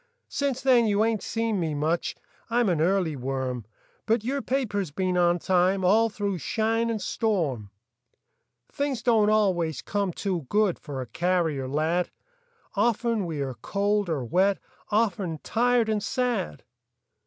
Since then you ain't seen me much ; I'm an early worm. But your paper's been on time All through shine and storm. Things don't always come too good For a carrier lad. Often we are cold or wet, Often tired and sad.